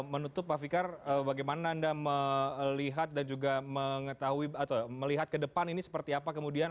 menutup pak fikar bagaimana anda melihat dan juga mengetahui atau melihat ke depan ini seperti apa kemudian